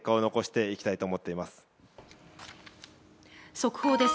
速報です。